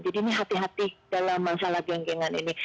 jadi ini hati hati dalam masalah geng gengan ini